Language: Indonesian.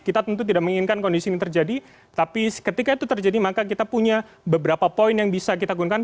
kita tentu tidak menginginkan kondisi ini terjadi tapi ketika itu terjadi maka kita punya beberapa poin yang bisa kita gunakan